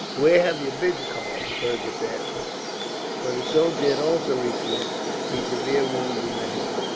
"Where have you been, Karl?" Fergus asked, for the soldier had also received a severe wound in the head.